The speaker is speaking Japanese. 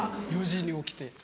４時に起きて。